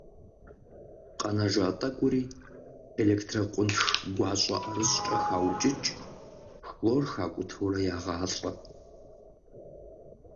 Къэнэжа тӀэкӀури электрокъунтх гуащӀэ ӀэрыщӀкӀэ хаукӀыкӀ, хлор хакӀутэурэ ягъалӀэ.